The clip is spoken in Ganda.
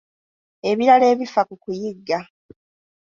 Ebirala ebifa ku kuyigga.